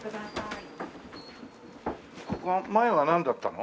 ここは前はなんだったの？